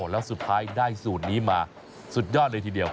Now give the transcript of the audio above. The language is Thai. แล้วสุดท้ายได้สูตรนี้มาสุดยอดเลยทีเดียว